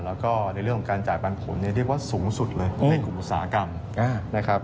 แล้วก็ในเรื่องของการจ่ายปันผลเนี่ยเรียกว่าสูงสุดเลยของในกลุ่มอุตสาหกรรมนะครับ